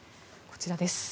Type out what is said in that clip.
こちらです。